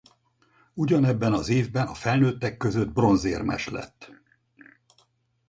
Ugyanebben az évben a felnőttek között bronzérmes lett.